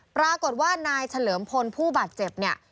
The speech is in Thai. ปรากฏว่านายเฉลิมพลผู้บาดเจ็บเนี่ย